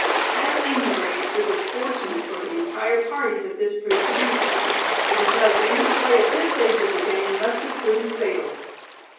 At any rate, it was fortunate for the entire party that this proved to be so; because any delay at this stage of the game must have proven fatal.